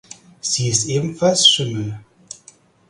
Sie ist ebenfalls Schimmel.